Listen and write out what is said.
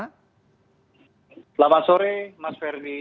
selamat sore mas ferdinand